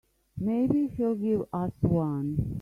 Maybe he'll give us one.